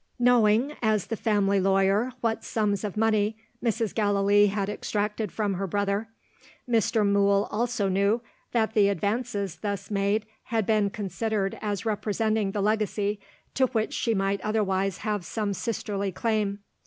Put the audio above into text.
Knowing (as the family lawyer) what sums of money Mrs. Gallilee had extracted from her brother, Mr. Mool also knew that the advances thus made had been considered as representing the legacy, to which she might otherwise have had some sisterly claim.